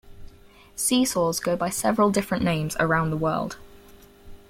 Seesaws go by several different names around the world.